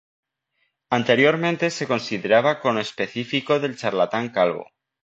Anteriormente se consideraba conespecífico del charlatán calvo.